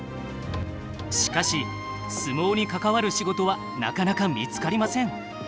しかし相撲に関わる仕事はなかなか見つかりません。